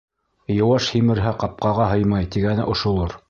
Йыуаш һимерһә, ҡапҡаға һыймай, тигәне ошолор!